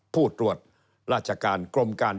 ผู้ตรวจราชการกรมการ